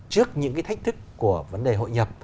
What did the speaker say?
trước những cái thách thức của vấn đề hội nhập